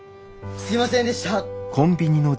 すいませんでした。